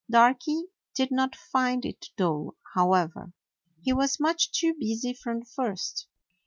Darky did not find it dull, however; he was much too busy from the first.